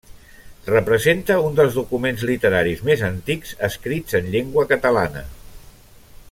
Representa un dels documents literaris més antics escrits en llengua catalana.